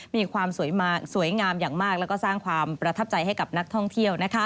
มีความสวยงามอย่างมากแล้วก็สร้างความประทับใจให้กับนักท่องเที่ยว